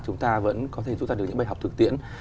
chúng ta vẫn có thể rút ra được những bài học thực tiễn